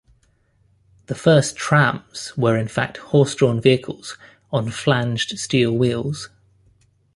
The first "trams" were in fact horse-drawn vehicles on flanged steel wheels.